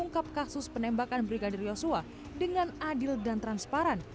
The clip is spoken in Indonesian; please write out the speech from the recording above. tidak boleh ada lagi kejadian seorang mati karena kekuasaan